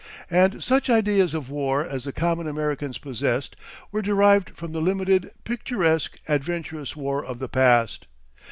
And such ideas of war as the common Americans possessed were derived from the limited, picturesque, adventurous war of the past.